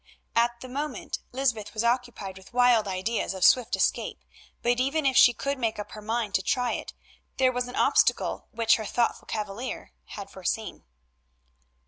At the moment Lysbeth was occupied with wild ideas of swift escape, but even if she could make up her mind to try it there was an obstacle which her thoughtful cavalier had foreseen.